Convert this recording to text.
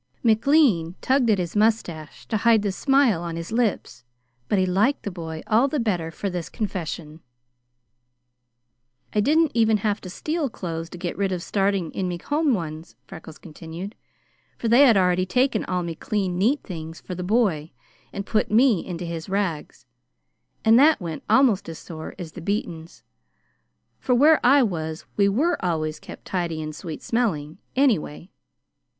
McLean tugged at his mustache to hide the smile on his lips, but he liked the boy all the better for this confession. "I didn't even have to steal clothes to get rid of starting in me Home ones," Freckles continued, "for they had already taken all me clean, neat things for the boy and put me into his rags, and that went almost as sore as the beatings, for where I was we were always kept tidy and sweet smelling, anyway.